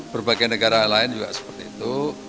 berbagai negara lain juga seperti itu